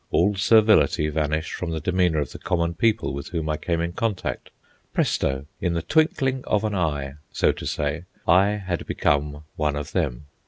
All servility vanished from the demeanour of the common people with whom I came in contact. Presto! in the twinkling of an eye, so to say, I had become one of them.